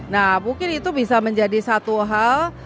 nah mungkin itu bisa menjadi satu hal